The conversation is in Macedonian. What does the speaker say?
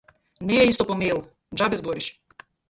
Не е исто по мејл, џабе збориш.